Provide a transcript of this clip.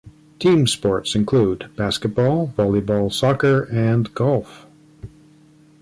Team sports include: basketball, volleyball, soccer, and golf.